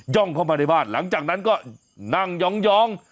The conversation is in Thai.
่องเข้ามาในบ้านหลังจากนั้นก็นั่งยอง